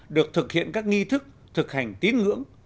được thực hiện các nghi thức thực hành tín ngưỡng